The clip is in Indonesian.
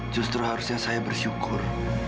justru harusnya saya bersyukur